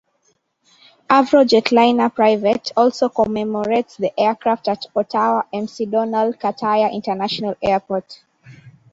"Avro Jetliner Private" also commemorates the aircraft at Ottawa McDonald Cartier International Airport.